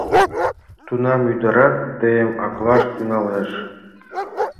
Тунам ӱдырат тыйым аклаш тӱҥалеш.